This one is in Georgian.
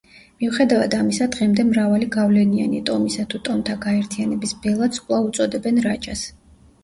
მიუხედავად ამისა, დღემდე მრავალი გავლენიანი ტომისა თუ ტომთა გაერთიანების ბელადს კვლავ უწოდებენ რაჯას.